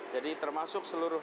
jadi termasuk seluruh